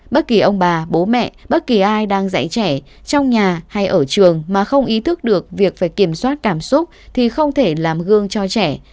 bất kỳ ông bà bố mẹ bất kỳ ai đang dạy trẻ trong nhà hay ở trường mà không ý thức được việc phải kiểm soát cảm xúc thì không thể làm gương cho trẻ